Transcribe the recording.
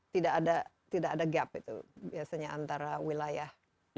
tidak ada gap itu biasanya antara wilayah yang dilaporkan